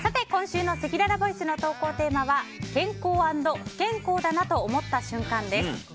今週のせきららボイスの投稿テーマは健康＆不健康だなと思った瞬間です。